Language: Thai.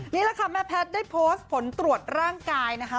นี่แหละค่ะแม่แพทย์ได้โพสต์ผลตรวจร่างกายนะคะ